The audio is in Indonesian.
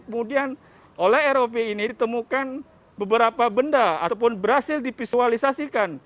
kemudian oleh rop ini ditemukan beberapa benda ataupun berhasil dipisualisasikan